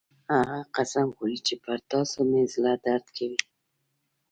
هغه قسم خوري چې پر تاسو مې زړه درد کوي